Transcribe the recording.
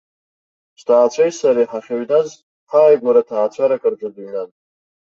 Сҭаацәеи сареи ҳахьыҩназ, ҳааигәара, ҭаацәарак рҿы дыҩнан.